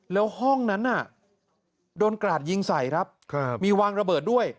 แล้วห้องนั้นน่ะโดนกราดยิงใส่ครับมีวางระเบิดด้วย